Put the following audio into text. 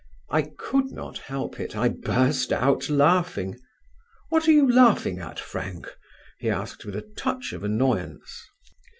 I could not help it; I burst out laughing. "What are you laughing at, Frank?" he asked with a touch of annoyance.